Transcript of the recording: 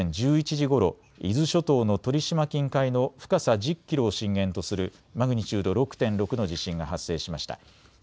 気象庁によりますときょう午前１１時ごろ伊豆諸島の鳥島近海の深さ１０キロを震源とするマグニチュード６．６の地震が発生しました。